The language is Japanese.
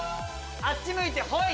あっち向いてホイ！